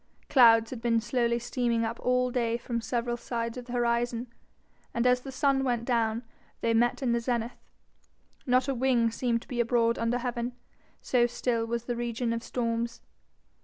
Clouds had been slowly steaming up all day from several sides of the horizon, and as the sun went down, they met in the zenith. Not a wing seemed to be abroad under heaven, so still was the region of storms.